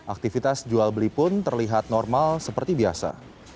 aktivitas jual beli pun terlihat normal seperti biasa